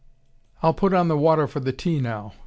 I'll put on the water for the tea now.